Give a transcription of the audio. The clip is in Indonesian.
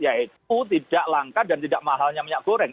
ya itu tidak langka dan tidak mahalnya minyak goreng